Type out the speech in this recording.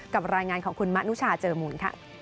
กับรายงานของคุณมะนุชาเจอร์หมุน